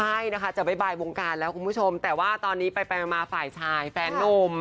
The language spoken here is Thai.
ใช่นะคะจะบ๊ายวงการแล้วคุณผู้ชมแต่ว่าตอนนี้ไปมาฝ่ายชายแฟนนุ่ม